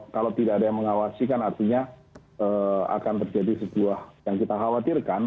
kalau tidak ada yang mengawasi kan artinya akan terjadi sebuah yang kita khawatirkan